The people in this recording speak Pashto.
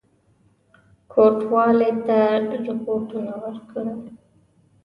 کوټوالی ته رپوټونه ورکړي.